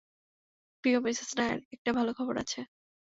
প্রিয় মিসেস নায়ার, একটা ভালো খবর আছে।